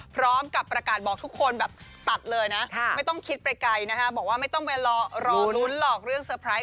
พร้อมกับประกาศบอกทุกคนแบบตัดเลยนะไม่ต้องคิดไปไกลนะคะบอกว่าไม่ต้องไปรอลุ้นหรอกเรื่องเตอร์ไพรส์